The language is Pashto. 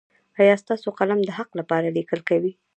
ایا ستاسو قلم د حق لپاره لیکل کوي؟